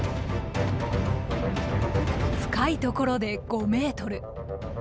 深いところで５ｍ。